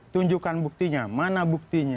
tunjukkan buktinya mana buktinya